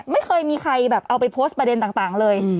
ไม่เคยมีใครแบบเอาไปโพสต์ประเด็นต่างเลย